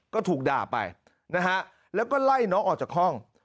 ก็ถูกด่าไปนะฮะแล้วก็ไล่น้องออกจากห้อง